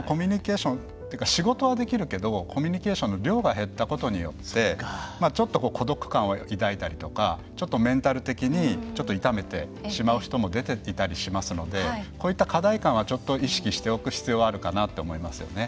仕事はできるけどコミュニケーションの量が減ったことによってちょっと孤独感を抱いたりとかちょっとメンタル的に痛めてしまう人も出ていたりしますのでこういった課題感はちょっと意識しておく必要あるかなって思いますよね。